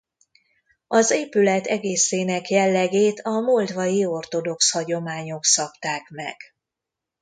Az épület egészének jellegét a moldvai ortodox hagyományok szabták meg.